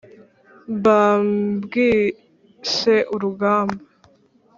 mba mbwise urugamba,